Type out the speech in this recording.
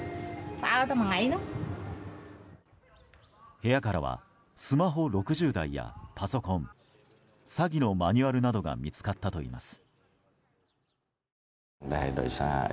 部屋からはスマホ６０台やパソコン詐欺のマニュアルなどが見つかったといいます。